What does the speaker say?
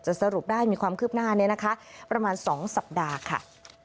สรุปได้มีความคืบหน้านี้นะคะประมาณ๒สัปดาห์ค่ะ